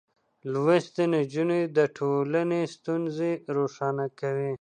لوستې نجونې د ټولنې ستونزې روښانه کوي.